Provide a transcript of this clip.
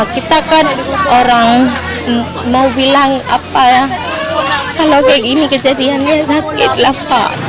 kita kan orang mau bilang apa ya kalau kayak gini kejadiannya sakit lah pak